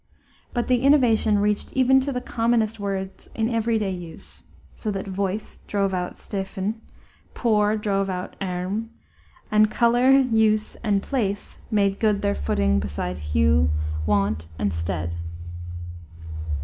But the innovation reached even to the commonest words in every day use, so that voice drove out steven, poor drove out earm, and color, use, and place made good their footing beside hue, wont, and stead.